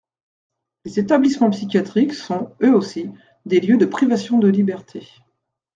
Les établissements psychiatriques sont, eux aussi, des lieux de privation de liberté.